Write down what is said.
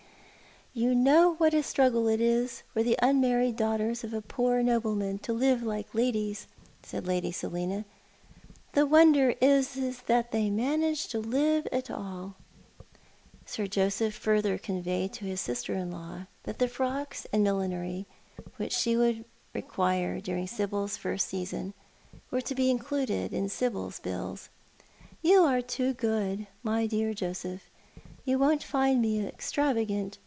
" You know what a struggle it is for the unmarried daughters of a poor nobleman to live like ladies," said Lady Selina ;" the wonder is that they manage to live at all." Sir Joseph further conveyed to his sister in law that the frocks and millinery which she would require during Sibyl's first season were to be included in Sibyl's bills. "You are too good, my dear Joseph. You won't find me extravagant.